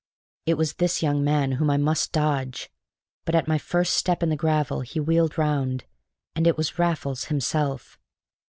It was this young man whom I must dodge, but at my first step in the gravel he wheeled round, and it was Raffles himself.